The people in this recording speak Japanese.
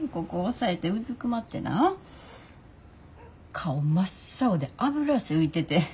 顔真っ青で脂汗浮いてて。